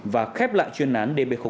và khép lại chuyên án db tám